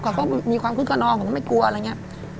เขาก็มีความคึกขนองเขาก็ไม่กลัวอะไรอย่างนี้